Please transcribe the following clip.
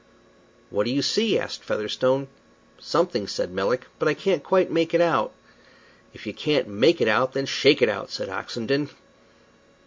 "What do you see?" asked Featherstone. "Something," said Melick, "but I can't quite make it out." "If you can't make it out, then shake it out," said Oxenden.